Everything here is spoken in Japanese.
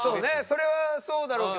それはそうだろうけど。